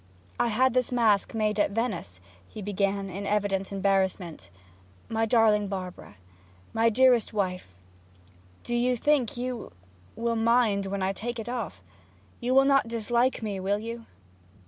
'I had this mask made at Venice,' he began, in evident embarrassment. 'My darling Barbara my dearest wife do you think you will mind when I take it off? You will not dislike me will you?'